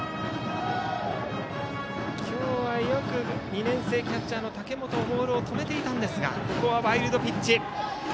今日はよく２年生キャッチャーの竹本ボールを止めていたんですがここはワイルドピッチ。